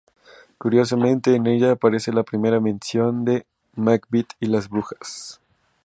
Curiosamente, en ella aparece la primera mención de Macbeth y las brujas.